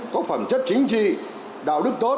có phẩm chất chính trị đạo đức tốt